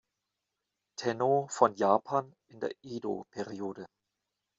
Tennō von Japan in der Edo-Periode.